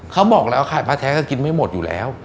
เขาบอกแล้วไข่พระแท้ก็กินไม่หมดอยู่แล้ว